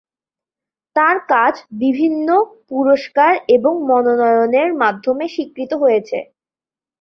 তার কাজ বিভিন্ন পুরস্কার এবং মনোনয়নের মাধ্যমে স্বীকৃত হয়েছে।